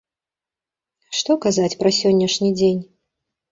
Што казаць пра сённяшні дзень!